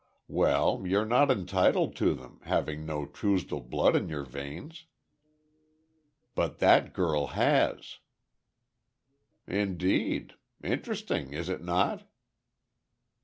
"Well, you're not entitled to them, having no Truesdell blood in your veins." "But that girl has." "Indeed! Interesting, is it not?"